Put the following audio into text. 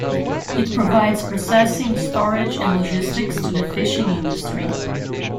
It provides processing, storage, and logistics to the fishing industry.